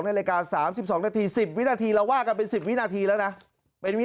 นาฬิกา๓๒นาที๑๐วินาทีเราว่ากันเป็น๑๐วินาทีแล้วนะ